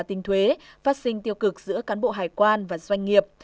tính thuế phát sinh tiêu cực giữa cán bộ hải quan và doanh nghiệp